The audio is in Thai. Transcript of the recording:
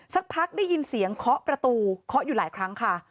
สักพักได้ยินเสียงเคาะประตูเคาะอยู่หลายครั้งค่ะ